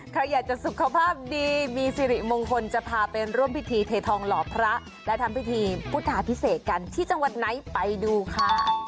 ใครอยากจะสุขภาพดีมีสิริมงคลจะพาไปร่วมพิธีเททองหล่อพระและทำพิธีพุทธาพิเศษกันที่จังหวัดไหนไปดูค่ะ